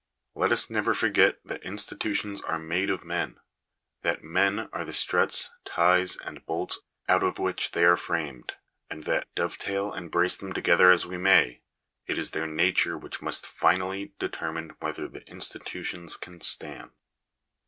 Let us never Digitized by VjOOQIC 262 THK DUTY OF THE 8TATE. •i* if forget that institutions are made of men; that men are the struts, ties, and bolts, out of which they are framed ; and that, dovetail and brace them together as we may, it is their nature which must finally determine whether the institutions can stand.